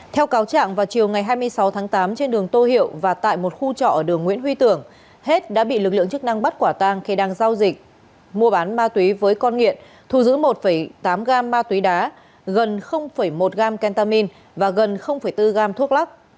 theo cáo trạng vào chiều ngày hai mươi sáu tháng tám trên đường tô hiệu và tại một khu trọ ở đường nguyễn huy tưởng hết đã bị lực lượng chức năng bắt quả tang khi đang giao dịch mua bán ma túy với con nghiện thu giữ một tám gam ma túy đá gần một gram kentamin và gần bốn gam thuốc lắc